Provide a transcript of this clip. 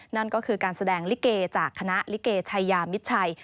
นั่นก็คือการแสดงลิเกจากคณะลิเกชายามิดชัย